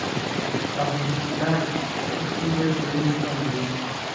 Avuga Ikidage, tutibagiwe n'Icyongereza.